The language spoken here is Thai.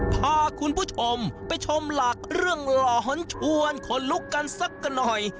พาคุณผู้ชมไปชมหลักเรื่องหลอนชวนขนลุกกันสักกันหน่อย